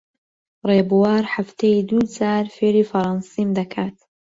ڕێبوار هەفتەی دوو جار فێری فەڕەنسیم دەکات.